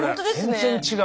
全然違う。